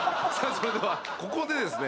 それではここでですね